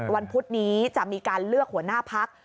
พุธนี้จะมีการเลือกหัวหน้าพัก